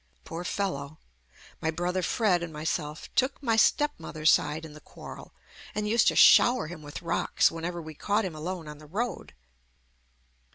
Poor fel low — my brother Fred and myself took my JUST ME stepmother's side in the quarrel and used to shower him with rocks whenever we caught him alone on the road.